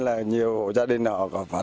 bãi nga ngư thủy bắc